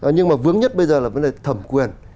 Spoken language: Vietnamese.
nhưng mà vướng nhất bây giờ là vấn đề thẩm quyền